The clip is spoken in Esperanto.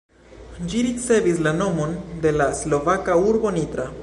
Ĝi ricevis la nomon de la slovaka urbo Nitra.